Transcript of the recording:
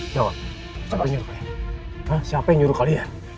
jawab siapa nyuruh kalian siapa yang nyuruh kalian